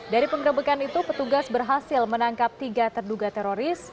dari penggerebekan itu petugas berhasil menangkap tiga terduga teroris